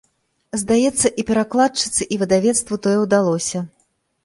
Здаецца, і перакладчыцы, і выдавецтву тое ўдалося.